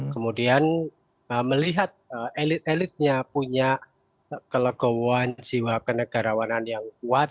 kemudian melihat elit elitnya punya kelegowoan jiwa kenegarawanan yang kuat